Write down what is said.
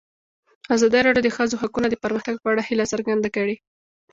ازادي راډیو د د ښځو حقونه د پرمختګ په اړه هیله څرګنده کړې.